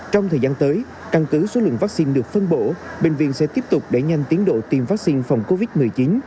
trong thời gian tới căn cứ số lượng vắc xin được phân bổ bệnh viện sẽ tiếp tục đẩy nhanh tiến độ tiêm vắc xin phòng covid một mươi chín